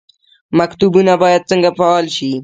مکتبونه باید څنګه فعال شي؟